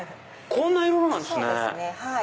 こんな色なんですね。